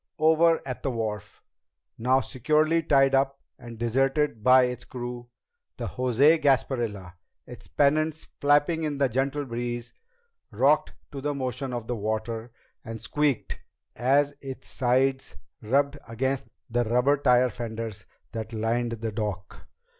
Over at the wharf, now securely tied up and deserted by its crew, the José Gasparilla, its pennants flapping in the gentle breeze, rocked to the motion of the water and squeaked as its sides rubbed against the rubber tire fenders that lined the dock.